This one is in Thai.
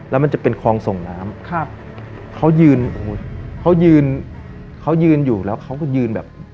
แล้วมันจะเป็นคลองส่งน้ำครับเขายืนโอ้โหเขายืนเขายืนอยู่แล้วเขาก็ยืนแบบ